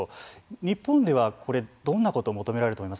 日本ではどんなことを求められると思いますか。